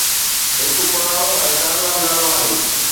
هڪ پراڻو ۽ ڪامياب نالو آهي